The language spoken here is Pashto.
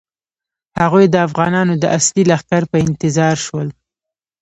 هغوی د افغانانو د اصلي لښکر په انتظار شول.